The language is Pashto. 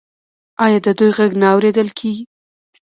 آیا د دوی غږ نه اوریدل کیږي؟